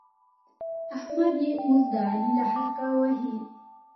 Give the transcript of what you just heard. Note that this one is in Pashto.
احمد يې اوس د علي له خرکه وهي.